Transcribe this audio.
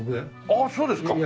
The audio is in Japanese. あっそうですか！